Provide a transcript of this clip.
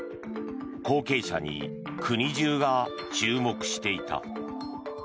後継者に国中が注目していた。